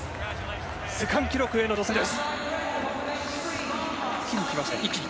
世界新記録への挑戦です。